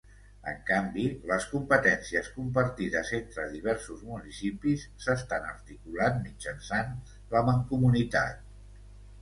En canvi, les competències compartides entre diversos municipis s'estan articulant mitjançant la mancomunitat.